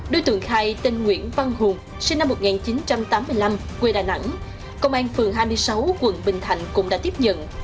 đối tượng khai tên nguyễn văn hùng sinh năm một nghìn chín trăm tám mươi năm quê đà nẵng công an phường hai mươi sáu quận bình thạnh cũng đã tiếp nhận